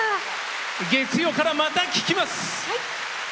月曜からまた聴きます！